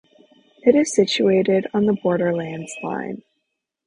It is situated on the Borderlands Line.